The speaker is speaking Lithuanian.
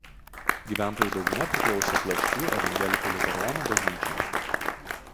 Gyventojų dauguma priklausė Plaškių evangelikų liuteronų bažnyčiai.